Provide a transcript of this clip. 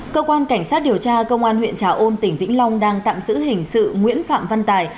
cơ quan cảnh sát điều tra công an huyện trà ôn tỉnh vĩnh long đang tạm giữ hình sự nguyễn phạm văn tài